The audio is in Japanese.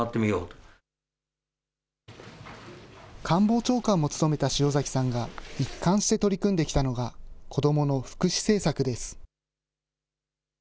官房長官も務めた塩崎さんが、一貫して取り組んできたのが、子どもの福祉政策です。